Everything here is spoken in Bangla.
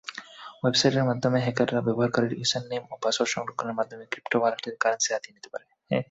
ওয়েবসাইটের মাধ্যমে হ্যাকাররা ব্যবহারকারীর ইউজারনেম ও পাসওয়ার্ড সংরক্ষণের মাধ্যমে ক্রিপ্টোওয়ালেটের কারেন্সি হাতিয়ে নিতে পারে।